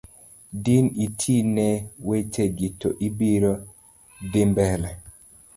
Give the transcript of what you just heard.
Din iti ne wecheji to ibiro dhimbele.